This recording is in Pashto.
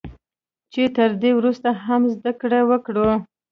چې تر دې ورسته هم زده کړه وکړو